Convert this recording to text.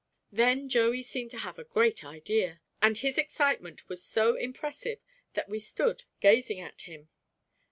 Then Joey seemed to have a great idea, and his excitement was so impressive that we stood gazing at him.